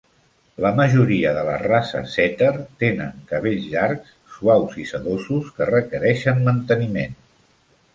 La majoria de les races setter tenen cabells llargs, suaus i sedosos que requereixen manteniment.